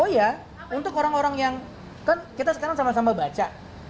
oh ya untuk orang orang yang kan kita sekarang sama sama baca